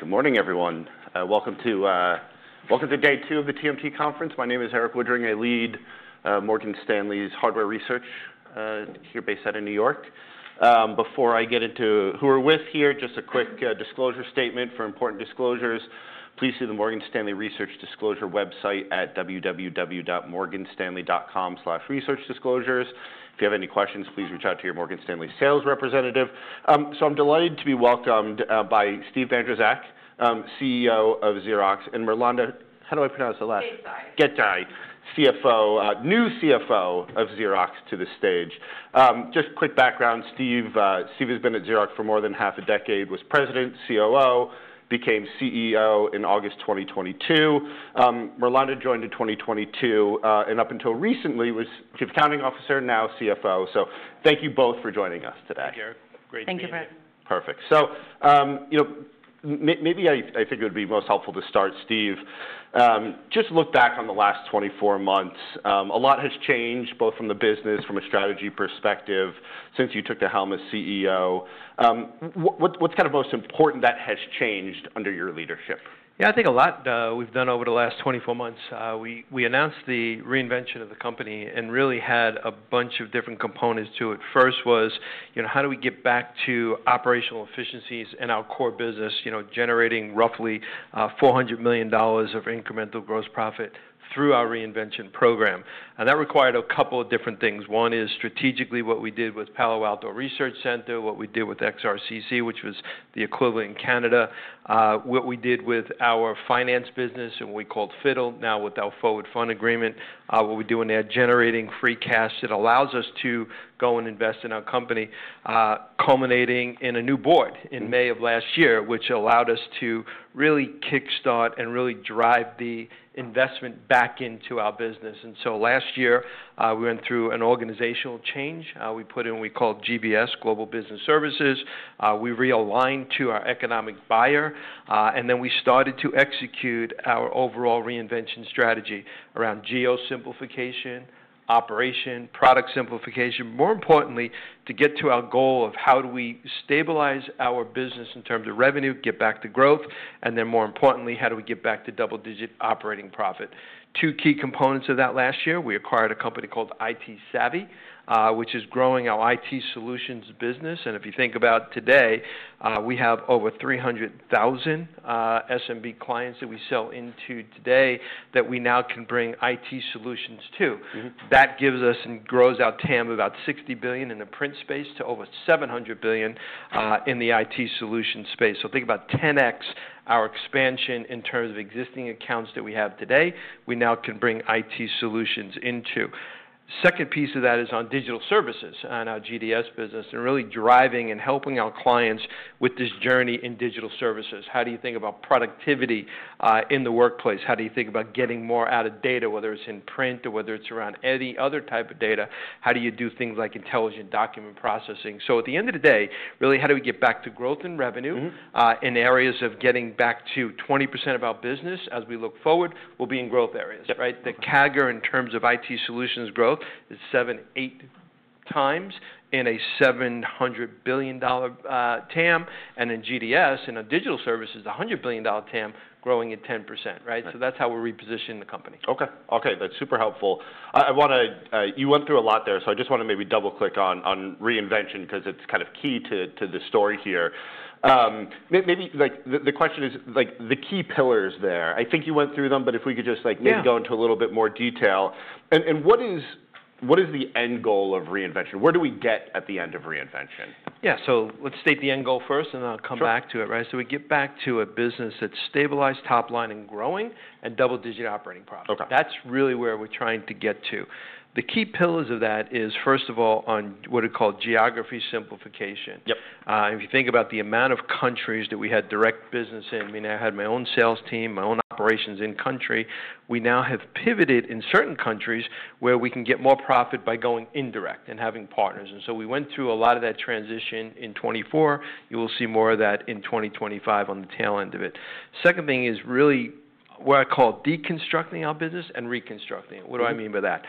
Good morning, everyone. Welcome to day two of the TMT Conference. My name is Erik Woodring. I lead Morgan Stanley's hardware research here based out of New York. Before I get into who we're with here, just a quick disclosure statement for important disclosures. Please see the Morgan Stanley Research Disclosure website at www.morganstanley.com/researchdisclosures. If you have any questions, please reach out to your Morgan Stanley sales representative. I am delighted to be welcomed by Steve Bandrowczak, CEO of Xerox. And Mirlanda, how do I pronounce the last name? Gecaj. Gecaj, new CFO of Xerox, to the stage. Just quick background, Steve has been at Xerox for more than half a decade, was President, COO, became CEO in August 2022. Mirlanda joined in 2022, and up until recently was Chief Accounting Officer, now CFO. Thank you both for joining us today. Thank you, Erik. Great to be here. Thank you, Erik. Perfect. I figured it would be most helpful to start, Steve, just look back on the last 24 months. A lot has changed, both from the business, from a strategy perspective, since you took the helm as CEO. What's kind of most important that has changed under your leadership? Yeah, I think a lot we've done over the last 24 months. We announced the reinvention of the company and really had a bunch of different components to it. First was, how do we get back to operational efficiencies in our core business, generating roughly $400 million of incremental gross profit through our reinvention program? That required a couple of different things. One is, strategically, what we did with Palo Alto Research Center, what we did with XRCC, which was the equivalent in Canada, what we did with our finance business, and what we called PDL, now with our forward fund agreement, what we're doing at generating free cash that allows us to go and invest in our company, culminating in a new board in May of last year, which allowed us to really kickstart and really drive the investment back into our business. Last year, we went through an organizational change. We put in what we called GBS, Global Business Services. We realigned to our economic buyer. We started to execute our overall reinvention strategy around geographic simplification, operation, product simplification, more importantly, to get to our goal of how do we stabilize our business in terms of revenue, get back to growth, and then, more importantly, how do we get back to double-digit operating profit? Two key components of that last year, we acquired a company called ITsavvy, which is growing our IT solutions business. If you think about today, we have over 300,000 SMB clients that we sell into today that we now can bring IT solutions to. That gives us and grows our TAM of about $60 billion in the print space to over $700 billion in the IT solution space. Think about 10x our expansion in terms of existing accounts that we have today. We now can bring IT solutions into. The second piece of that is on digital services and our GDS business and really driving and helping our clients with this journey in digital services. How do you think about productivity in the workplace? How do you think about getting more out of data, whether it's in print or whether it's around any other type of data? How do you do things like intelligent document processing? At the end of the day, really, how do we get back to growth and revenue in areas of getting back to 20% of our business as we look forward will be in growth areas, right? The CAGR in terms of IT solutions growth is seven-eight times in a $700 billion TAM. In GDS and in digital services, the $100 billion TAM growing at 10%, right? That is how we're repositioning the company. OK. OK, that's super helpful. You went through a lot there, so I just want to maybe double-click on reinvention because it's kind of key to the story here. Maybe the question is, the key pillars there, I think you went through them, but if we could just maybe go into a little bit more detail. What is the end goal of reinvention? Where do we get at the end of reinvention? Yeah, so let's state the end goal first, and I'll come back to it, right? We get back to a business that's stabilized, top line, and growing, and double-digit operating profit. That's really where we're trying to get to. The key pillars of that is, first of all, on what are called geography simplification. If you think about the amount of countries that we had direct business in, I mean, I had my own sales team, my own operations in country. We now have pivoted in certain countries where we can get more profit by going indirect and having partners. We went through a lot of that transition in 2024. You will see more of that in 2025 on the tail end of it. Second thing is really what I call deconstructing our business and reconstructing it. What do I mean by that?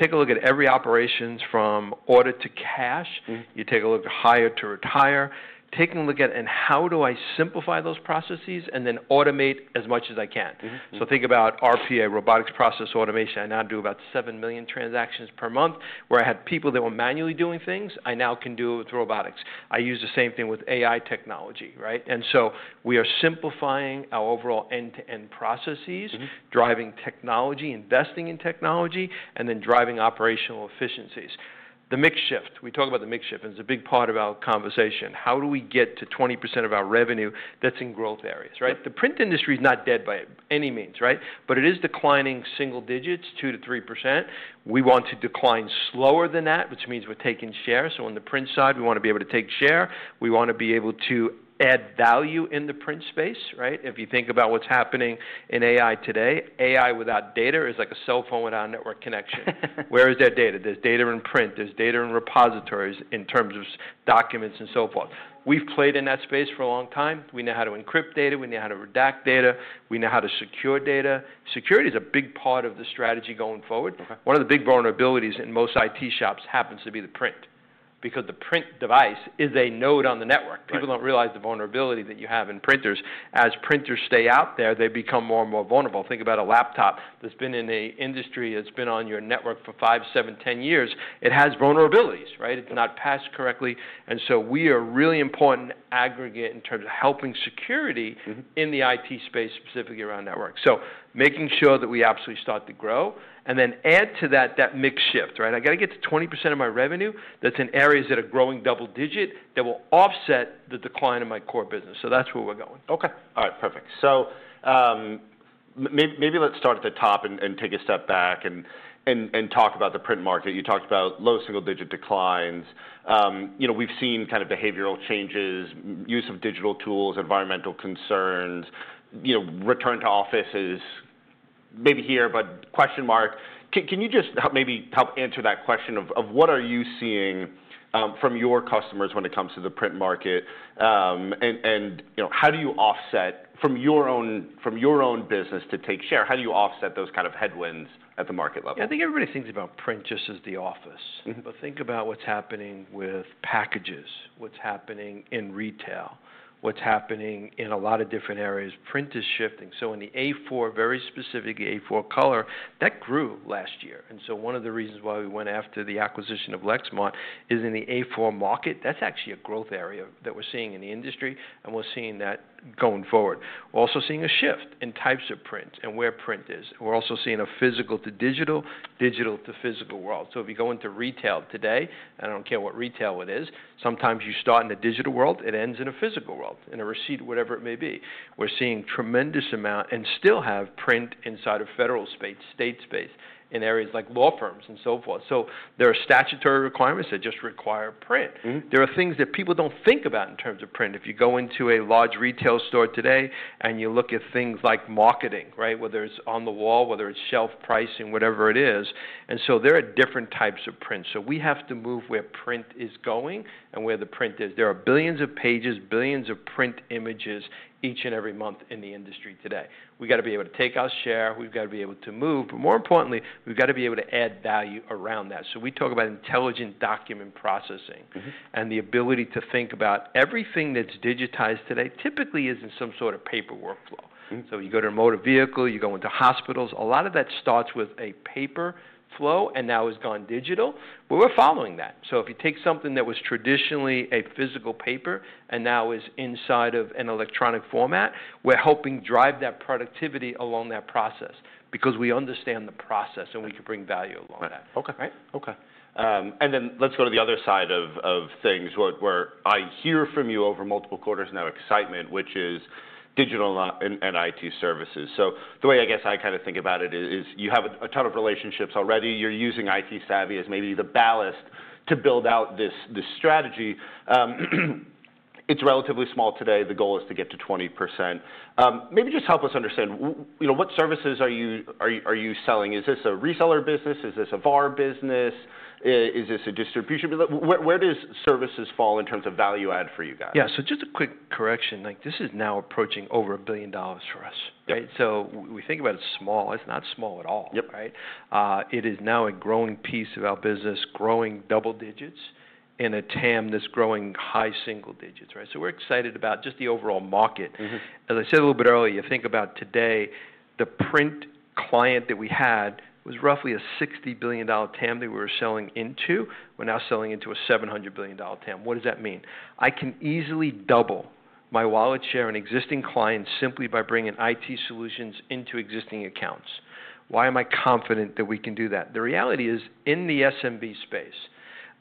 Take a look at every operations from order to cash. You take a look at hire to retire. Taking a look at, and how do I simplify those processes and then automate as much as I can? Think about RPA, robotic process automation. I now do about 7 million transactions per month where I had people that were manually doing things. I now can do it with robotics. I use the same thing with AI technology, right? We are simplifying our overall end-to-end processes, driving technology, investing in technology, and then driving operational efficiencies. The mixed shift, we talk about the mixed shift. It's a big part of our conversation. How do we get to 20% of our revenue that's in growth areas, right? The print industry is not dead by any means, right? It is declining single digits, 2%-3%. We want to decline slower than that, which means we're taking share. On the print side, we want to be able to take share. We want to be able to add value in the print space, right? If you think about what's happening in AI today, AI without data is like a cell phone without a network connection. Where is that data? There's data in print. There's data in repositories in terms of documents and so forth. We've played in that space for a long time. We know how to encrypt data. We know how to redact data. We know how to secure data. Security is a big part of the strategy going forward. One of the big vulnerabilities in most IT shops happens to be the print because the print device is a node on the network. People don't realize the vulnerability that you have in printers. As printers stay out there, they become more and more vulnerable. Think about a laptop that's been in the industry, that's been on your network for five, seven, ten years. It has vulnerabilities, right? It's not patched correctly. We are a really important aggregate in terms of helping security in the IT space, specifically around network. Making sure that we absolutely start to grow. Add to that that mixed shift, right? I got to get to 20% of my revenue that's in areas that are growing double-digit that will offset the decline of my core business. That's where we're going. OK. All right, perfect. Maybe let's start at the top and take a step back and talk about the print market. You talked about low single-digit declines. We've seen kind of behavioral changes, use of digital tools, environmental concerns, return to offices. Maybe here, but question mark. Can you just maybe help answer that question of what are you seeing from your customers when it comes to the print market? How do you offset from your own business to take share? How do you offset those kind of headwinds at the market level? I think everybody thinks about print just as the office. Think about what's happening with packages, what's happening in retail, what's happening in a lot of different areas. Print is shifting. In the A4, very specifically A4 color, that grew last year. One of the reasons why we went after the acquisition of Lexmark is in the A4 market, that's actually a growth area that we're seeing in the industry. We're seeing that going forward. We're also seeing a shift in types of print and where print is. We're also seeing a physical to digital, digital to physical world. If you go into retail today, and I don't care what retail it is, sometimes you start in a digital world, it ends in a physical world, in a receipt, whatever it may be. We're seeing a tremendous amount and still have print inside of federal space, state space, in areas like law firms and so forth. There are statutory requirements that just require print. There are things that people don't think about in terms of print. If you go into a large retail store today and you look at things like marketing, right, whether it's on the wall, whether it's shelf pricing, whatever it is. There are different types of print. We have to move where print is going and where the print is. There are billions of pages, billions of print images each and every month in the industry today. We've got to be able to take our share. We've got to be able to move. More importantly, we've got to be able to add value around that. We talk about intelligent document processing and the ability to think about everything that's digitized today typically is in some sort of paper workflow. You go to a motor vehicle, you go into hospitals. A lot of that starts with a paper flow and now has gone digital. We're following that. If you take something that was traditionally a physical paper and now is inside of an electronic format, we're helping drive that productivity along that process because we understand the process and we can bring value along that. OK. OK. Let's go to the other side of things where I hear from you over multiple quarters now, excitement, which is digital and IT services. The way I guess I kind of think about it is you have a ton of relationships already. You're using ITsavvy as maybe the ballast to build out this strategy. It's relatively small today. The goal is to get to 20%. Maybe just help us understand, what services are you selling? Is this a reseller business? Is this a VAR business? Is this a distribution business? Where do services fall in terms of value add for you guys? Yeah, so just a quick correction. This is now approaching over $1 billion for us, right? We think about it small. It's not small at all, right? It is now a growing piece of our business, growing double digits in a TAM that's growing high single digits, right? We're excited about just the overall market. As I said a little bit earlier, you think about today, the print client that we had was roughly a $60 billion TAM that we were selling into. We're now selling into a $700 billion TAM. What does that mean? I can easily double my wallet share and existing clients simply by bringing IT solutions into existing accounts. Why am I confident that we can do that? The reality is, in the SMB space,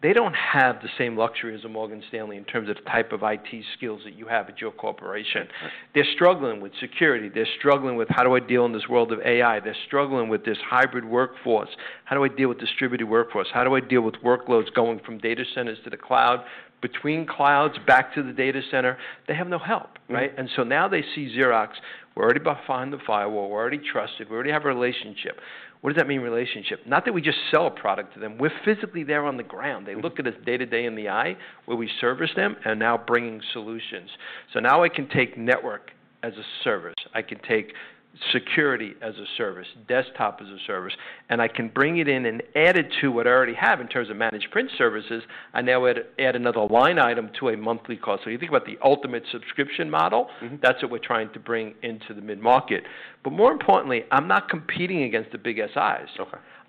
they don't have the same luxury as a Morgan Stanley in terms of the type of IT skills that you have at your corporation. They're struggling with security. They're struggling with how do I deal in this world of AI. They're struggling with this hybrid workforce. How do I deal with distributed workforce? How do I deal with workloads going from data centers to the cloud, between clouds, back to the data center? They have no help, right? Now they see Xerox. We're already behind the firewall. We're already trusted. We already have a relationship. What does that mean, relationship? Not that we just sell a product to them. We're physically there on the ground. They look at us day to day in the eye where we service them and now bringing solutions. Now I can take network as a service. I can take security as a service, desktop as a service. I can bring it in and add it to what I already have in terms of managed print services. I now add another line item to a monthly cost. You think about the ultimate subscription model. That is what we are trying to bring into the mid-market. More importantly, I am not competing against the big SIs. I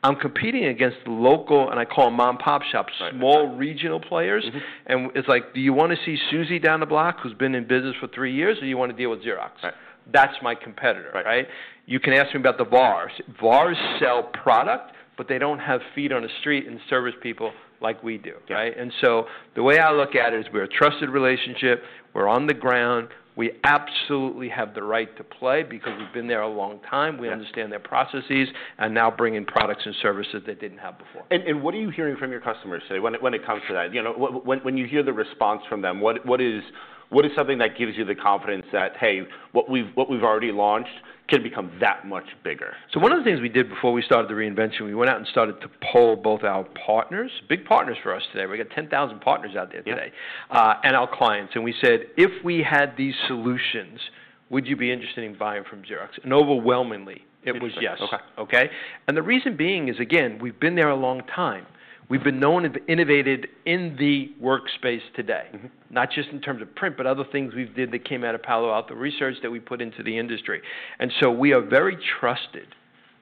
am competing against local, and I call them mom and pop shops, small regional players. It is like, do you want to see Susie down the block who has been in business for three years, or do you want to deal with Xerox? That is my competitor, right? You can ask me about the VAR. VAR sell product, but they do not have feet on the street and service people like we do, right? The way I look at it is we're a trusted relationship. We're on the ground. We absolutely have the right to play because we've been there a long time. We understand their processes and now bring in products and services they didn't have before. What are you hearing from your customers today when it comes to that? When you hear the response from them, what is something that gives you the confidence that, hey, what we've already launched can become that much bigger? One of the things we did before we started the reinvention, we went out and started to poll both our partners, big partners for us today. We've got 10,000 partners out there today, and our clients. We said, if we had these solutions, would you be interested in buying from Xerox? Overwhelmingly, it was yes. The reason being is, again, we've been there a long time. We've been known and innovated in the workspace today, not just in terms of print, but other things we did that came out of Palo Alto Research that we put into the industry. We are very trusted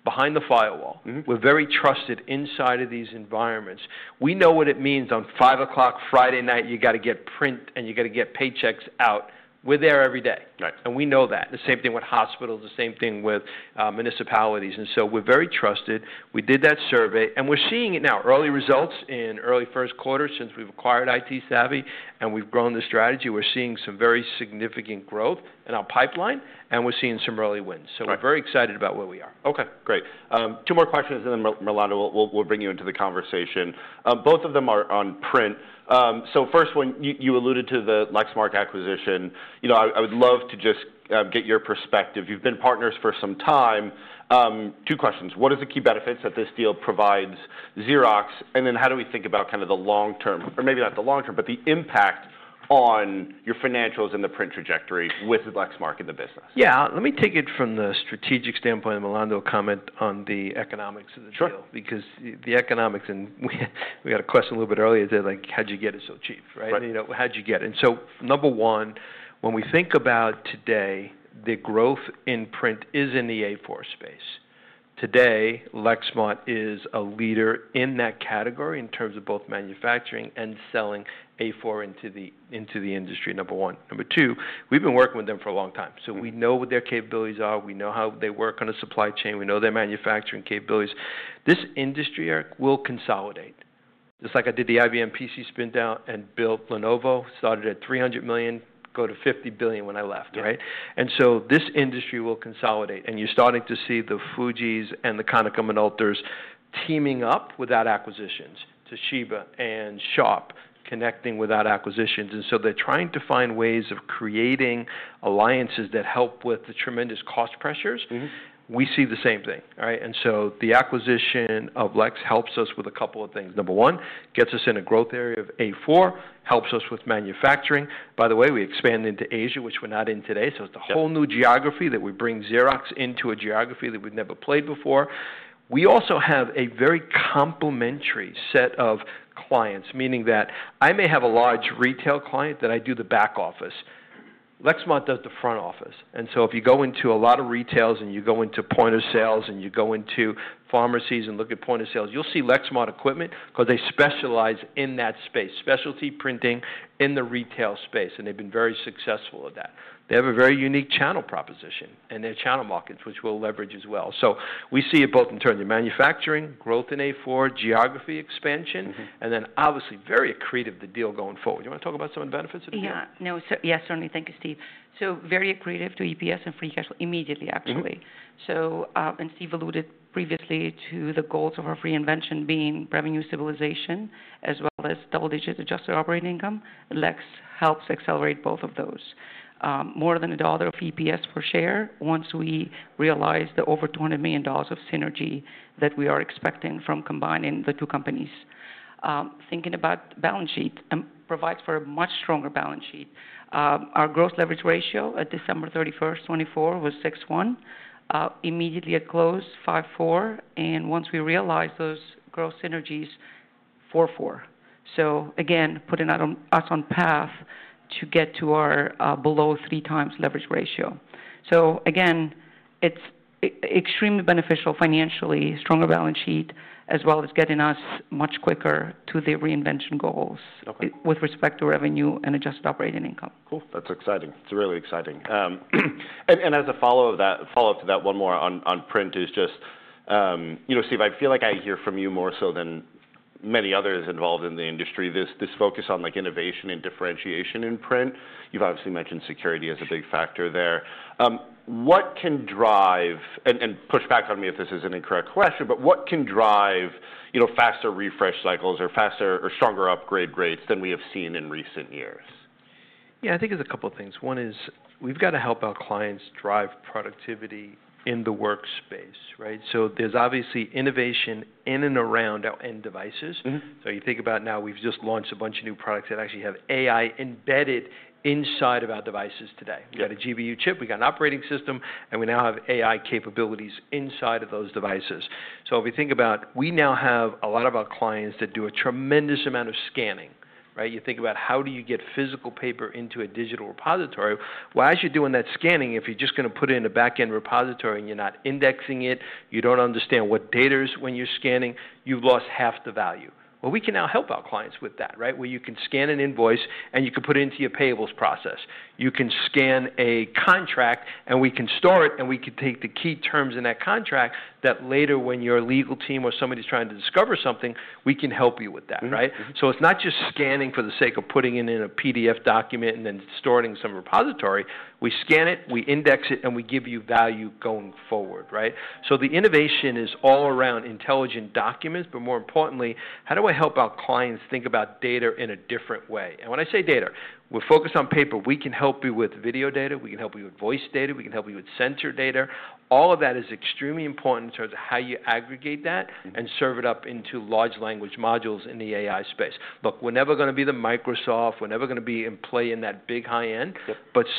behind the firewall. We're very trusted inside of these environments. We know what it means on 5:00 P.M. Friday night. You've got to get print, and you've got to get paychecks out. We're there every day. We know that. The same thing with hospitals, the same thing with municipalities. We are very trusted. We did that survey. We are seeing it now, early results in early first quarter since we have acquired ITsavvy. We have grown the strategy. We are seeing some very significant growth in our pipeline. We are seeing some early wins. We are very excited about where we are. OK, great. Two more questions, and then, Mirlanda, we'll bring you into the conversation. Both of them are on print. First one, you alluded to the Lexmark acquisition. I would love to just get your perspective. You've been partners for some time. Two questions. What are the key benefits that this deal provides Xerox? How do we think about kind of the long-term, or maybe not the long-term, but the impact on your financials and the print trajectory with Lexmark in the business? Yeah, let me take it from the strategic standpoint and Mirlanda comment on the economics of the deal because the economics, and we had a question a little bit earlier. They're like, how'd you get it so cheap, right? How'd you get it? Number one, when we think about today, the growth in print is in the A4 space. Today, Lexmark is a leader in that category in terms of both manufacturing and selling A4 into the industry, number one. Number two, we've been working with them for a long time. We know what their capabilities are. We know how they work on a supply chain. We know their manufacturing capabilities. This industry will consolidate. Just like I did the IBM PC spin down and built Lenovo, started at $300 million, go to $50 billion when I left, right? This industry will consolidate. You're starting to see the Fujis and the Konica Minoltas teaming up with acquisitions, Toshiba and Sharp connecting with acquisitions. They're trying to find ways of creating alliances that help with the tremendous cost pressures. We see the same thing, right? The acquisition of Lexmark helps us with a couple of things. Number one, gets us in a growth area of A4, helps us with manufacturing. By the way, we expand into Asia, which we're not in today. It's a whole new geography that we bring Xerox into, a geography that we've never played before. We also have a very complementary set of clients, meaning that I may have a large retail client that I do the back office. Lexmark does the front office. If you go into a lot of retails and you go into point of sales and you go into pharmacies and look at point of sales, you'll see Lexmark equipment because they specialize in that space, specialty printing in the retail space. They've been very successful at that. They have a very unique channel proposition and their channel markets, which we'll leverage as well. We see it both in terms of manufacturing, growth in A4, geography expansion, and then obviously very accretive the deal going forward. Do you want to talk about some of the benefits of the deal? Yeah. No, yes, certainly. Thank you, Steve. So very accretive to EPS and free cash flow immediately, actually. And Steve alluded previously to the goals of our reinvention being revenue stabilization as well as double-digit adjusted operating income. Lex helps accelerate both of those. More than $1 of EPS per share once we realize the over $200 million of synergy that we are expecting from combining the two companies. Thinking about balance sheet, it provides for a much stronger balance sheet. Our gross leverage ratio at December 31, 2024, was six one. Immediately at close, five four. And once we realized those gross synergies, four four. Again, putting us on path to get to our below three times leverage ratio. Again, it's extremely beneficial financially, stronger balance sheet, as well as getting us much quicker to the reinvention goals with respect to revenue and adjusted operating income. Cool. That's exciting. It's really exciting. As a follow-up to that, one more on print is just, Steve, I feel like I hear from you more so than many others involved in the industry, this focus on innovation and differentiation in print. You've obviously mentioned security as a big factor there. What can drive, and push back on me if this is an incorrect question, but what can drive faster refresh cycles or faster or stronger upgrade rates than we have seen in recent years? Yeah, I think it's a couple of things. One is we've got to help our clients drive productivity in the workspace, right? There's obviously innovation in and around our end devices. You think about now we've just launched a bunch of new products that actually have AI embedded inside of our devices today. We've got a GPU chip. We've got an operating system. We now have AI capabilities inside of those devices. If you think about it, we now have a lot of our clients that do a tremendous amount of scanning, right? You think about how do you get physical paper into a digital repository. As you're doing that scanning, if you're just going to put it in a back-end repository and you're not indexing it, you don't understand what data is when you're scanning, you've lost half the value. We can now help our clients with that, right? Where you can scan an invoice and you can put it into your payables process. You can scan a contract and we can store it and we can take the key terms in that contract that later when your legal team or somebody's trying to discover something, we can help you with that, right? It is not just scanning for the sake of putting it in a PDF document and then storing some repository. We scan it, we index it, and we give you value going forward, right? The innovation is all around intelligent documents. More importantly, how do I help our clients think about data in a different way? When I say data, we're focused on paper. We can help you with video data. We can help you with voice data. We can help you with sensor data. All of that is extremely important in terms of how you aggregate that and serve it up into large language modules in the AI space. Look, we're never going to be the Microsoft. We're never going to be in play in that big high end.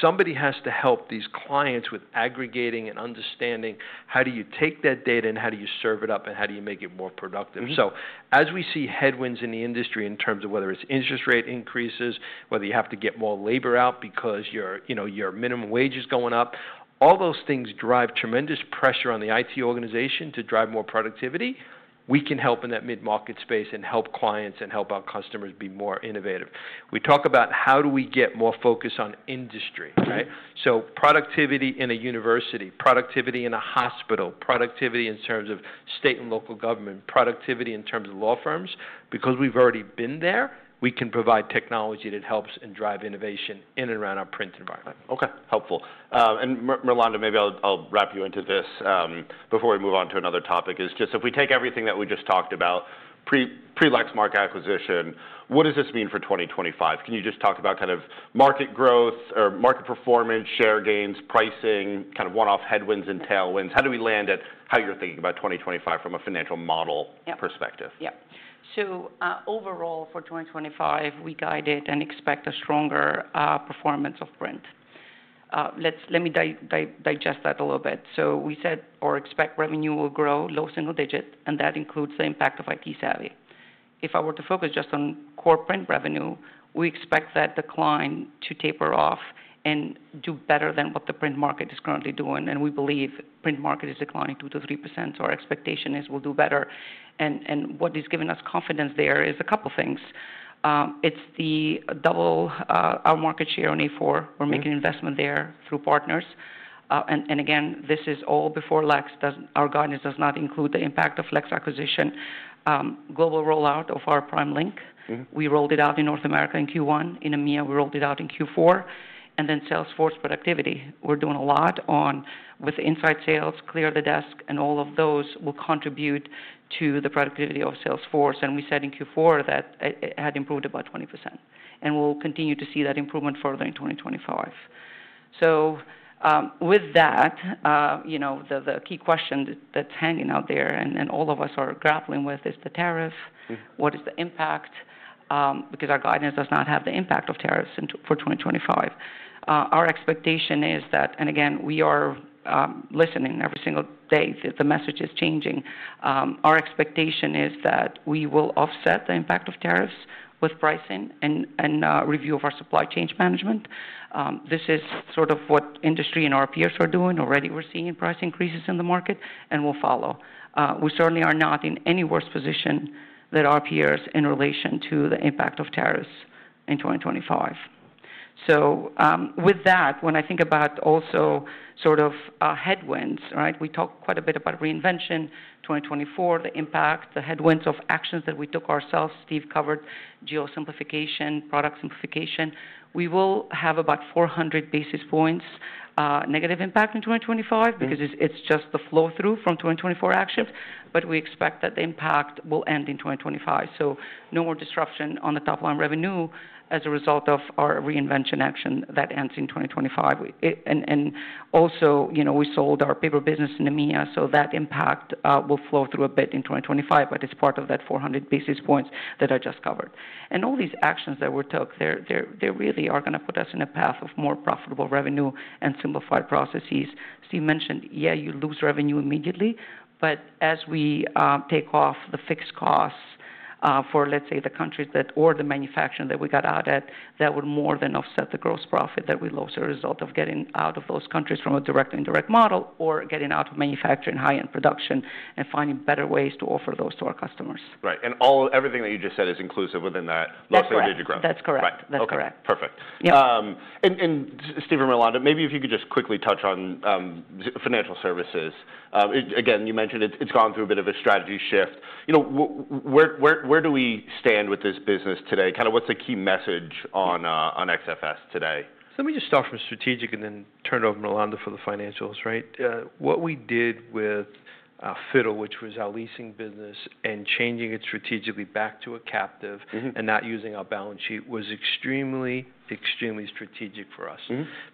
Somebody has to help these clients with aggregating and understanding how do you take that data and how do you serve it up and how do you make it more productive. As we see headwinds in the industry in terms of whether it's interest rate increases, whether you have to get more labor out because your minimum wage is going up, all those things drive tremendous pressure on the IT organization to drive more productivity. We can help in that mid-market space and help clients and help our customers be more innovative. We talk about how do we get more focus on industry, right? Productivity in a university, productivity in a hospital, productivity in terms of state and local government, productivity in terms of law firms. Because we've already been there, we can provide technology that helps and drives innovation in and around our print environment. OK, helpful. Mirlanda, maybe I'll wrap you into this before we move on to another topic. If we take everything that we just talked about pre-Lexmark acquisition, what does this mean for 2025? Can you just talk about kind of market growth or market performance, share gains, pricing, kind of one-off headwinds and tailwinds? How do we land at how you're thinking about 2025 from a financial model perspective? Yeah. Overall for 2025, we guided and expect a stronger performance of print. Let me digest that a little bit. We said our expected revenue will grow low single digit, and that includes the impact of ITsavvy. If I were to focus just on core print revenue, we expect that decline to taper off and do better than what the print market is currently doing. We believe the print market is declining 2%-3%. Our expectation is we'll do better. What is giving us confidence there is a couple of things. It's the double our market share on A4. We're making an investment there through partners. Again, this is all before Lexmark. Our guidance does not include the impact of Lexmark acquisition, global rollout of our PrimeLink. We rolled it out in North America in Q1. In EMEA, we rolled it out in Q4. Salesforce productivity, we're doing a lot with inside sales, clear the desk, and all of those will contribute to the productivity of Salesforce. We said in Q4 that it had improved about 20%. We will continue to see that improvement further in 2025. With that, the key question that's hanging out there and all of us are grappling with is the tariff. What is the impact? Our guidance does not have the impact of tariffs for 2025. Our expectation is that, and again, we are listening every single day. The message is changing. Our expectation is that we will offset the impact of tariffs with pricing and review of our supply chain management. This is sort of what industry and our peers are doing. Already we're seeing price increases in the market, and we'll follow. We certainly are not in any worse position than our peers in relation to the impact of tariffs in 2025. With that, when I think about also sort of headwinds, right? We talked quite a bit about reinvention, 2024, the impact, the headwinds of actions that we took ourselves. Steve covered geo simplification, product simplification. We will have about 400 basis points negative impact in 2025 because it is just the flow through from 2024 actions. We expect that the impact will end in 2025. No more disruption on the top line revenue as a result of our reinvention action that ends in 2025. Also, we sold our paper business in EMEA. That impact will flow through a bit in 2025, but it is part of that 400 basis points that I just covered. All these actions that were took, they really are going to put us in a path of more profitable revenue and simplified processes. Steve mentioned, yeah, you lose revenue immediately. As we take off the fixed costs for, let's say, the countries that or the manufacturing that we got out at, that would more than offset the gross profit that we lost as a result of getting out of those countries from a direct indirect model or getting out of manufacturing high-end production and finding better ways to offer those to our customers. Right. Everything that you just said is inclusive within that. That's correct. That's correct. OK, perfect. Steve and Mirlanda, maybe if you could just quickly touch on financial services. Again, you mentioned it's gone through a bit of a strategy shift. Where do we stand with this business today? Kind of what's the key message on XFS today? Let me just start from strategic and then turn it over to Mirlanda for the financials, right? What we did with Fiddle, which was our leasing business, and changing it strategically back to a captive and not using our balance sheet was extremely, extremely strategic for us.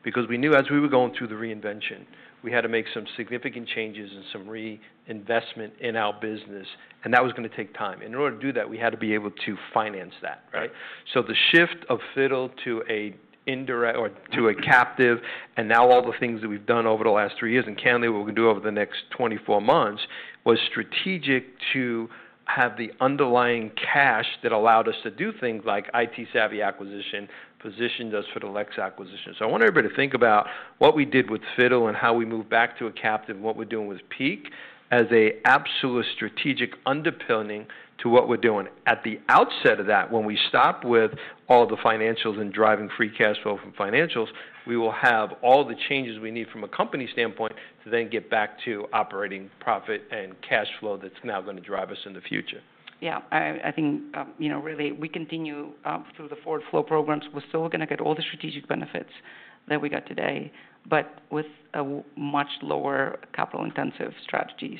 Because we knew as we were going through the reinvention, we had to make some significant changes and some reinvestment in our business. That was going to take time. In order to do that, we had to be able to finance that, right? The shift of FITTLE to a captive and now all the things that we've done over the last three years and candidly what we're going to do over the next 24 months was strategic to have the underlying cash that allowed us to do things like IT Savvy acquisition positioned us for the Lexmark acquisition. I want everybody to think about what we did with FITTLE and how we moved back to a captive and what we're doing with Peak as an absolute strategic underpinning to what we're doing. At the outset of that, when we stop with all the financials and driving free cash flow from financials, we will have all the changes we need from a company standpoint to then get back to operating profit and cash flow that's now going to drive us in the future. Yeah. I think really we continue through the forward flow programs. We're still going to get all the strategic benefits that we got today, but with a much lower capital intensive strategy.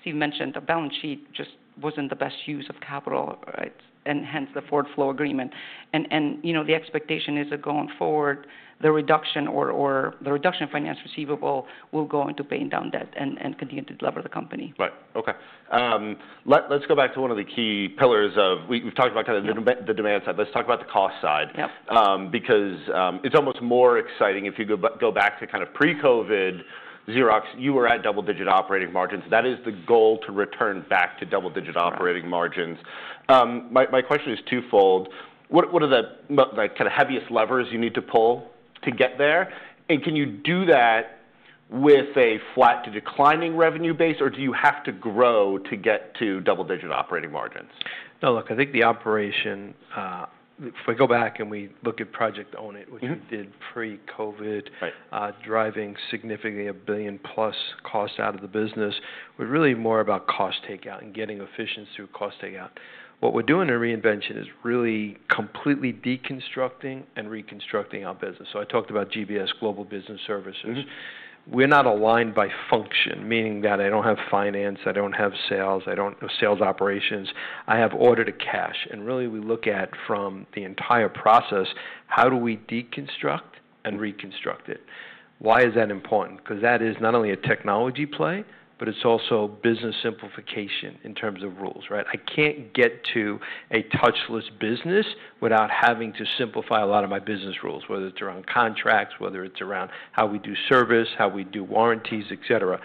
Steve mentioned the balance sheet just was not the best use of capital, hence the forward flow agreement. The expectation is that going forward, the reduction or the reduction in finance receivable will go into paying down debt and continue to deliver the company. Right. OK. Let's go back to one of the key pillars of we've talked about kind of the demand side. Let's talk about the cost side. Because it's almost more exciting if you go back to kind of pre-COVID Xerox, you were at double-digit operating margins. That is the goal to return back to double-digit operating margins. My question is twofold. What are the kind of heaviest levers you need to pull to get there? Can you do that with a flat to declining revenue base, or do you have to grow to get to double-digit operating margins? No, look, I think the operation, if we go back and we look at Project Own It, which we did pre-COVID, driving significantly a billion plus cost out of the business, were really more about cost takeout and getting efficiency through cost takeout. What we are doing in reinvention is really completely deconstructing and reconstructing our business. I talked about GBS Global Business Services. We are not aligned by function, meaning that I do not have finance, I do not have sales, I do not have sales operations. I have order to cash. Really, we look at from the entire process, how do we deconstruct and reconstruct it? Why is that important? Because that is not only a technology play, but it is also business simplification in terms of rules, right? I can't get to a touchless business without having to simplify a lot of my business rules, whether it's around contracts, whether it's around how we do service, how we do warranties, et cetera.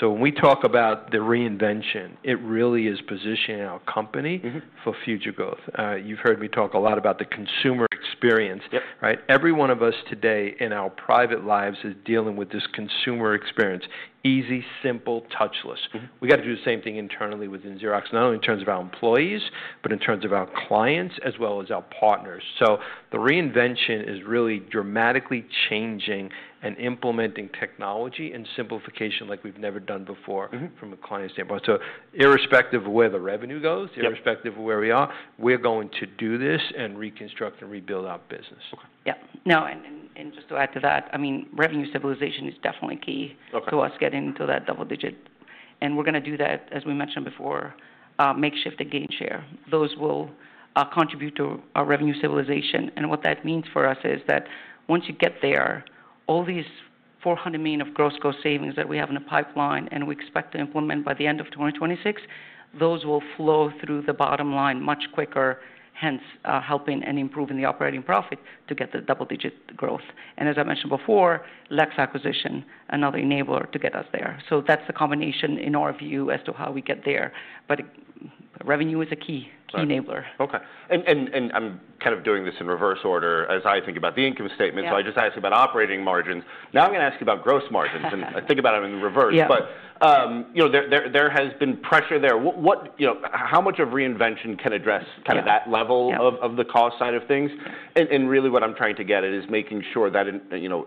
When we talk about the reinvention, it really is positioning our company for future growth. You've heard me talk a lot about the consumer experience, right? Every one of us today in our private lives is dealing with this consumer experience, easy, simple, touchless. We've got to do the same thing internally within Xerox, not only in terms of our employees, but in terms of our clients as well as our partners. The reinvention is really dramatically changing and implementing technology and simplification like we've never done before from a client standpoint. Irrespective of where the revenue goes, irrespective of where we are, we're going to do this and reconstruct and rebuild our business. Yeah. No, and just to add to that, I mean, revenue stabilization is definitely key to us getting to that double digit. We are going to do that, as we mentioned before, makeshift and gain share. Those will contribute to our revenue stabilization. What that means for us is that once you get there, all these $400 million of gross cost savings that we have in the pipeline and we expect to implement by the end of 2026, those will flow through the bottom line much quicker, hence helping and improving the operating profit to get the double digit growth. As I mentioned before, Lexmark acquisition, another enabler to get us there. That is the combination in our view as to how we get there. Revenue is a key enabler. OK. I'm kind of doing this in reverse order as I think about the income statement. Yeah. I just asked about operating margins. Now I'm going to ask you about gross margins. I think about them in reverse. Yeah. There has been pressure there. How much of reinvention can address kind of that level of the cost side of things? What I'm trying to get at is making sure that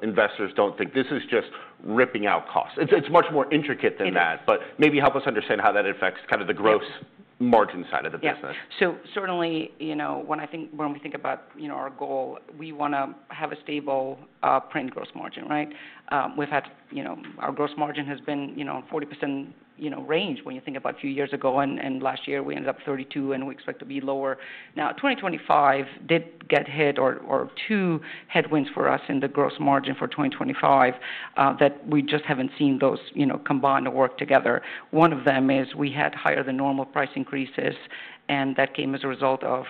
investors don't think this is just ripping out costs. It's much more intricate than that. Maybe help us understand how that affects kind of the gross margin side of the business. Certainly, when I think, when we think about our goal, we want to have a stable print gross margin, right? Our gross margin has been in the 40% range when you think about a few years ago. Last year we ended up at 32%, and we expect to be lower. Now, 2025 did get hit or two headwinds for us in the gross margin for 2025 that we just have not seen those combine or work together. One of them is we had higher than normal price increases, and that came as a result of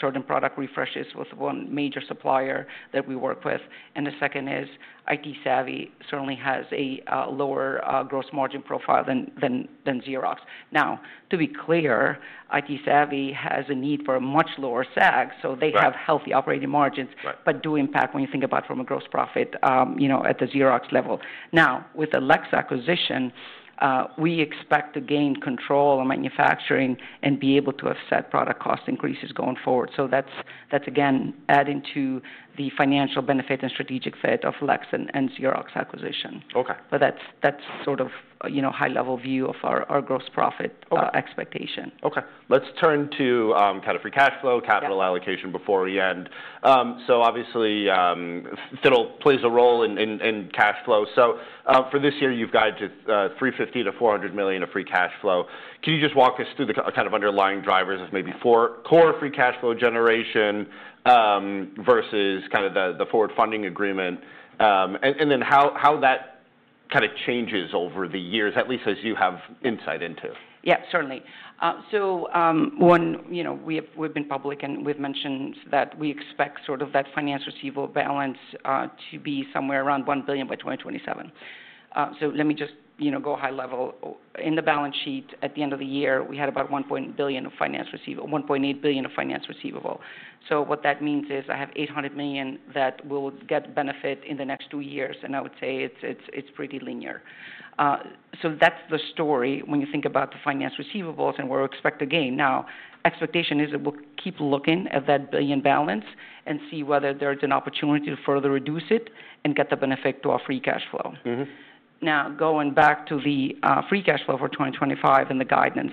certain product refreshes with one major supplier that we work with. The second is ITsavvy certainly has a lower gross margin profile than Xerox. Now, to be clear, ITsavvy has a need for a much lower SAG. They have healthy operating margins, but do impact when you think about from a gross profit at the Xerox level. Now, with the Lexmark acquisition, we expect to gain control of manufacturing and be able to offset product cost increases going forward. That's, again, adding to the financial benefit and strategic fit of Lexmark and Xerox acquisition. That's sort of a high-level view of our gross profit expectation. OK. Let's turn to kind of free cash flow, capital allocation before we end. Obviously, FITTLE plays a role in cash flow. For this year, you've guided to $350 million-$400 million of free cash flow. Can you just walk us through the kind of underlying drivers of maybe core free cash flow generation versus kind of the forward funding agreement? Then how that kind of changes over the years, at least as you have insight into? Yeah, certainly. When we've been public and we've mentioned that we expect sort of that finance receivable balance to be somewhere around $1 billion by 2027. Let me just go high level. In the balance sheet at the end of the year, we had about $1.8 billion of finance receivable. What that means is I have $800 million that will get benefit in the next two years. I would say it's pretty linear. That's the story when you think about the finance receivables and what we expect to gain. Now, expectation is that we'll keep looking at that billion balance and see whether there's an opportunity to further reduce it and get the benefit to our free cash flow. Now, going back to the free cash flow for 2025 and the guidance.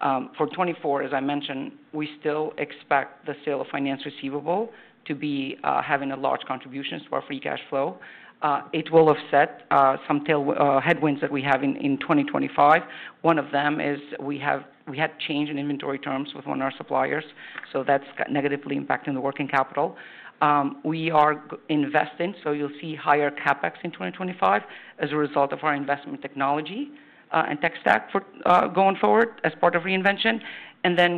For 2024, as I mentioned, we still expect the sale of finance receivable to be having a large contribution to our free cash flow. It will offset some headwinds that we have in 2025. One of them is we had change in inventory terms with one of our suppliers. That is negatively impacting the working capital. We are investing. You will see higher CapEx in 2025 as a result of our investment in technology and tech stack going forward as part of reinvention.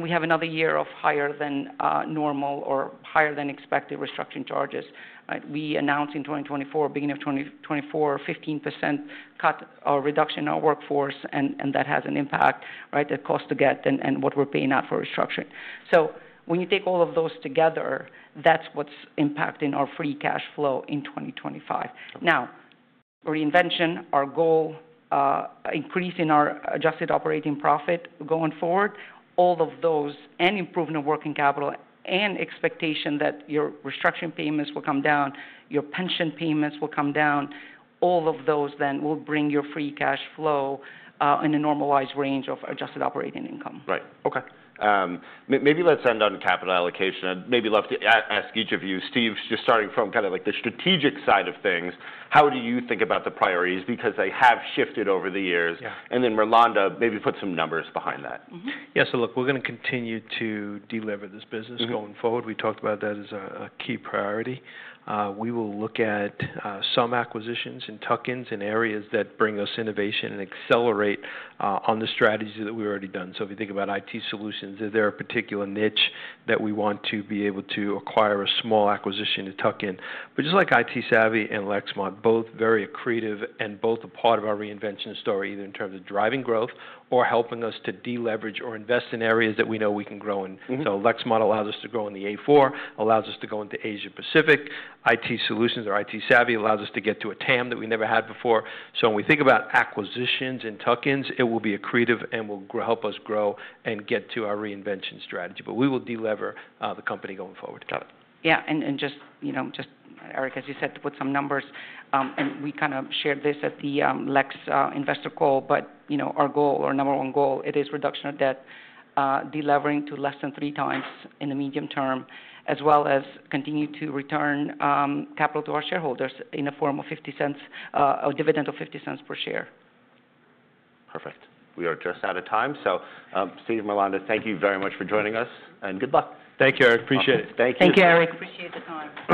We have another year of higher than normal or higher than expected restructuring charges. We announced in 2024, beginning of 2024, 15% cut or reduction in our workforce. That has an impact, right? The cost to get and what we are paying out for restructuring. When you take all of those together, that is what is impacting our free cash flow in 2025. Now, reinvention, our goal, increasing our adjusted operating profit going forward, all of those and improvement of working capital and expectation that your restructuring payments will come down, your pension payments will come down, all of those then will bring your free cash flow in a normalized range of adjusted operating income. Right. OK. Maybe let's end on capital allocation. Maybe I'll have to ask each of you. Steve, just starting from kind of like the strategic side of things, how do you think about the priorities? Because they have shifted over the years. Then Mirlanda, maybe put some numbers behind that. Yeah. So look, we're going to continue to deliver this business going forward. We talked about that as a key priority. We will look at some acquisitions in tuck-ins and areas that bring us innovation and accelerate on the strategies that we've already done. If you think about IT solutions, is there a particular niche that we want to be able to acquire a small acquisition to tuck in. Just like ITsavvy and Lexmark, both very accretive and both a part of our reinvention story, either in terms of driving growth or helping us to deleverage or invest in areas that we know we can grow in. Lexmark allows us to grow in the A4, allows us to go into Asia-Pacific. IT solutions or ITsavvy allows us to get to a TAM that we never had before. When we think about acquisitions and tuck-ins, it will be accretive and will help us grow and get to our reinvention strategy. We will deliver the company going forward. Yeah. And just Erik, as you said, to put some numbers. And we kind of shared this at the Lexmark investor call. But our goal, our number one goal, it is reduction of debt, delivering to less than three times in the medium term, as well as continue to return capital to our shareholders in the form of a dividend of $0.50 per share. Perfect. We are just out of time. Steve, Mirlanda, thank you very much for joining us. Good luck. Thank you, Eric. Appreciate it. Thank you, Eric. Appreciate the time.